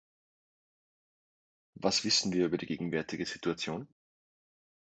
Was wissen wir über die gegenwärtige Situation?